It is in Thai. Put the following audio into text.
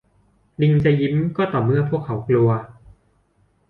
ลิงจะยิ้มก็ต่อเมื่อพวกเขากลัว